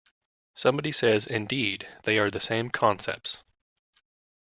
Somebody says, Indeed, they are same concepts.